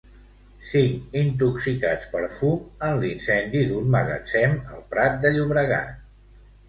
Cinc intoxicats per fum en l'incendi d'un magatzem al Prat de Llobregat.